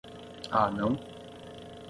Ah não?